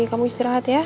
kamu istirahat ya